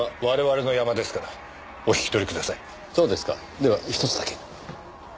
ではひとつだけ。